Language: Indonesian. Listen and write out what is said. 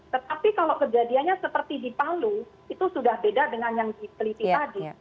tetapi kalau kejadiannya seperti di palu itu sudah beda dengan yang diteliti tadi